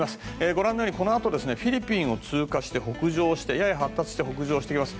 ご覧のようにこのあとフィリピンを通過してやや発達して北上してきます。